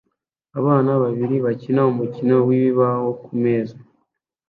Abana babiri bakina umukino wibibaho kumeza